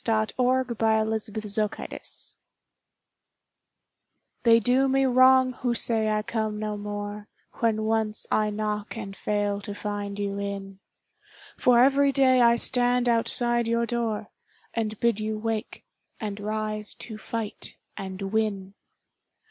OPPORTUNITY They do me wrong who say I come no more When once I knock and fail to find you in ; For every day I stand outside your door, And bid you wake, and rise to fight and win.